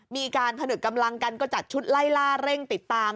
มีการผนึกกำลังกันก็จัดชุดไล่ล่าเร่งติดตาม